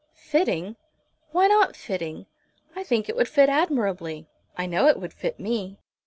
"Fitting! Why not fitting? I think it would fit admirably. I know it would fit me."